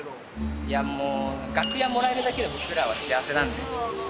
いやもう楽屋もらえるだけで僕らは幸せなんで。